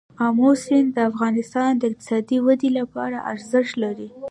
آمو سیند د افغانستان د اقتصادي ودې لپاره ارزښت لري.